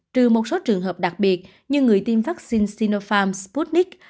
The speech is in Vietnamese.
trừ một số trường hợp đặc biệt như người tiêm vaccine sinopharm sputnik